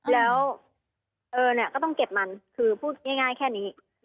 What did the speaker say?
แล้วก็ต้องเก็บมันคือพูดง่ายแค่นี้